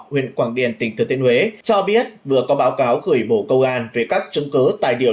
huyện quảng điền tỉnh thừa tiên huế cho biết vừa có báo cáo gửi bộ công an về các chứng cứ tài điều